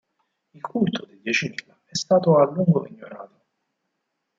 Il culto dei diecimila è stato a lungo ignorato.